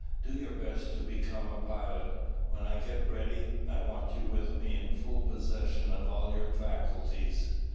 Do your best to become a pilot. When I get ready, I want you with me in full possession of all your faculties."